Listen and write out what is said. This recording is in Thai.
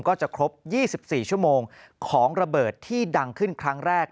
ก็จะครบ๒๔ชั่วโมงของระเบิดที่ดังขึ้นครั้งแรก